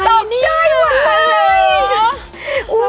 อะไรนี่ตบใจวะ